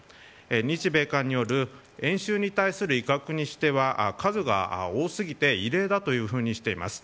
日米韓による演習に対する威嚇にしては数が多すぎて異例だというふうにしています。